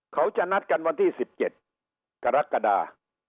เขาจะนัดกันวันที่๑๗กรกฎา